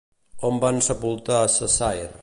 On van sepultar Cessair?